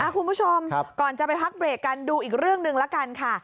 คุณผู้ชมก่อนจะไปพักเบรกกันดูอีกเรื่องหนึ่งละกันค่ะ